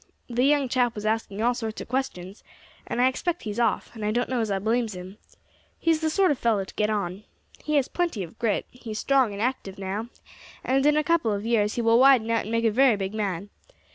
The young chap was asking all sorts of questions, and I expect he's off; and I don't know as I blames him. He's the sort of fellow to get on. He has plenty of grit; he's strong and active now, and in a couple of years he will widen out and make a very big man.